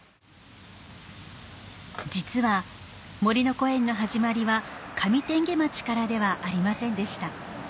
実はもりのこえんの始まりは上天花町からではありませんでした。